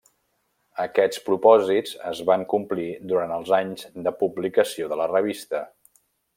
Aquests propòsits es van complir durant els anys de publicació de la revista.